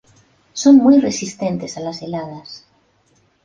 Son muy resistente a las heladas.